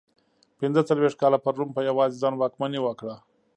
پنځه څلوېښت کاله پر روم په یوازې ځان واکمني وکړه.